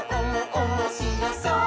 おもしろそう！」